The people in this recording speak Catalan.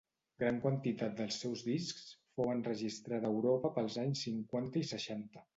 Gran quantitat dels seus discs fou enregistrada a Europa pels anys cinquanta i seixanta.